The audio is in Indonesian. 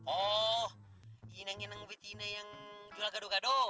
oh ini yang jual gado gado